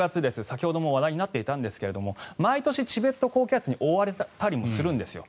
先ほども話題になっていたんですが毎年、チベット高気圧に覆われたりもするんですよ。